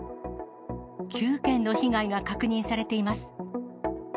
９件の被害が確認されています。